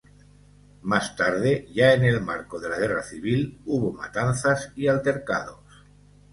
Más tarde, ya en el marco de la Guerra Civil hubo matanzas y altercados.